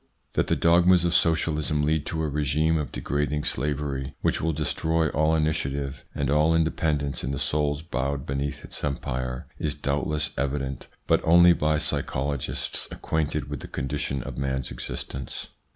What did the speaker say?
That the dogmas of Socialism lead to a regime of degrading slavery which will destroy all initiative and all independence in the souls bowed beneath its empire is doubtless evident, but only for psycholo gists acquainted with the condition of man's existence.